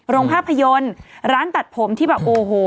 โรงภาพยนตร์ร้านตัดผมที่แบบโอ้โห